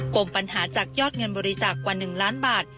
มปัญหาจากยอดเงินบริจาคกว่า๑ล้านบาท